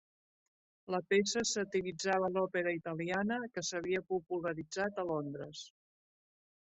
La peça satiritzava l'òpera italiana, que s'havia popularitzat a Londres.